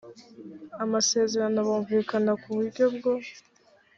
amasezerano bumvikana ku uburyo bwo